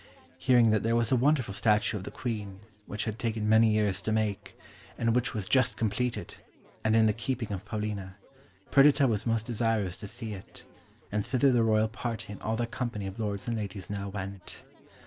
Hearing that there was a wonderful statue of the Queen, which had taken many years to make, and which was just completed, and in the keeping of Paulina, Perdita was most desirous to see it, and thither the royal party and all their company of lords and ladies now went.